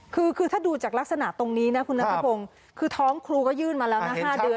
คือถ้าดูจากลักษณะตรงนี้นะคุณนัทพงศ์คือท้องครูก็ยื่นมาแล้วนะ๕เดือน